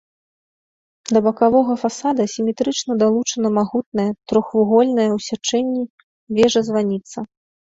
Да бакавога фасада асіметрычна далучана магутная, трохвугольная ў сячэнні, вежа-званіца.